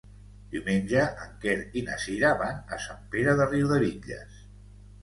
Diumenge en Quer i na Sira van a Sant Pere de Riudebitlles.